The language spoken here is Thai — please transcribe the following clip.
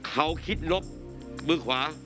เขาคิดลบมือขวา